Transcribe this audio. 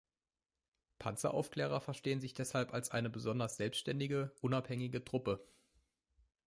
Panzeraufklärer verstehen sich deshalb als eine besonders selbständige, unabhängige Truppe.